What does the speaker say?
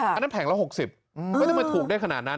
อันนั้นแผงละหกสิบไม่ได้มายถูกได้ขนาดนั้น